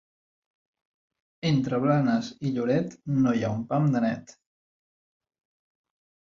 Entre Blanes i Lloret, no hi ha un pam de net.